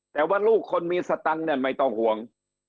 แต่ว่าลูกคนมีสตังค์เนี่ยไม่ต้องห่วง